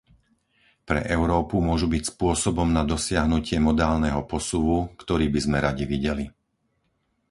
Pre Európu môžu byť spôsobom na dosiahnutie modálneho posuvu, ktorý by sme radi videli.